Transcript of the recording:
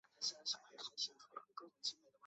迦太基政府被迫重新起用哈米尔卡。